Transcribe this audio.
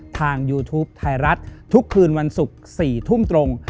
ยูทูปไทยรัฐทุกคืนวันศุกร์๔ทุ่มตรง